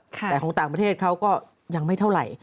แต่ของต่างประเทศเขาก็ยังไม่เท่าไหร่